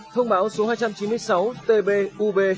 thông báo số hai trăm chín mươi sáu tbub